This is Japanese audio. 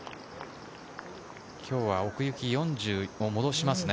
今日は奥行き４０を戻しますね。